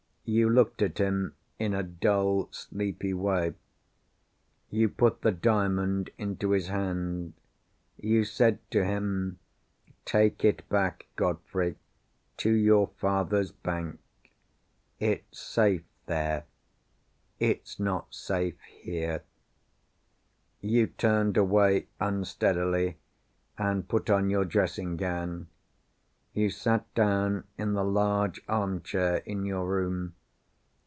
You looked at him in a dull sleepy way. You put the Diamond into his hand. You said to him, "Take it back, Godfrey, to your father's bank. It's safe there—it's not safe here." You turned away unsteadily, and put on your dressing gown. You sat down in the large arm chair in your room.